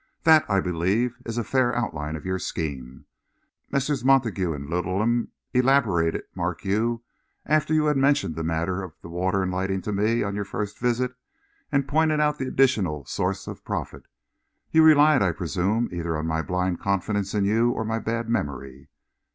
That, I believe, is a fair outline of your scheme, Messrs. Montague and Littleham elaborated, mark you, after you had mentioned the matter of the water and the lighting to me, on your first visit, and pointed out the additional source of profit. You relied, I presume, either on my blind confidence in you or my bad memory."